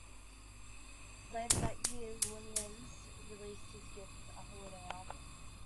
Later that year, Winans released "His Gift" a holiday album.